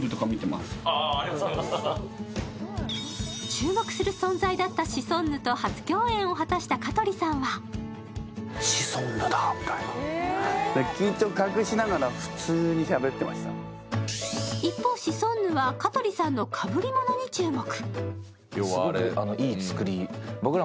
注目する存在だったシソンヌと初共演を果たした香取さんは一方、シソンヌは香取さんのかぶりものに注目。